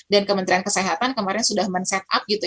dan kementerian kesehatan kemarin sudah men set up